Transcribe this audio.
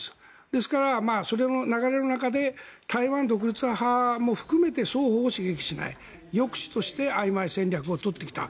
ですから、その流れの中で台湾独立派も含めて双方を刺激しない、抑止としてあいまい戦略を取ってきた。